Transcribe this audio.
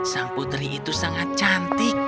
sang putri itu sangat cantik